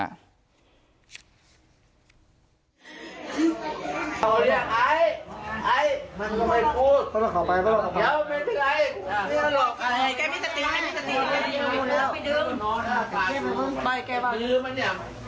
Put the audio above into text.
อาจดูดดูดดูดไปด้วย